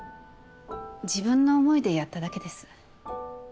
自分の思いでやっただけです。